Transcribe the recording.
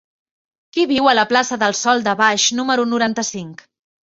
Qui viu a la plaça del Sòl de Baix número noranta-cinc?